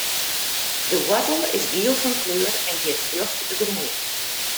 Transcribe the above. De woartel is giel fan kleur en giet rjocht de grûn yn.